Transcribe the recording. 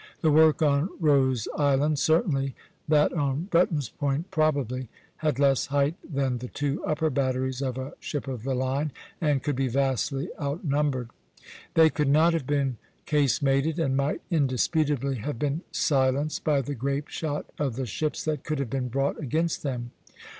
The work on Rose Island certainly, that on Brenton's Point probably, had less height than the two upper batteries of a ship of the line, and could be vastly outnumbered. They could not have been casemated, and might indisputably have been silenced by the grapeshot of the ships that could have been brought against them.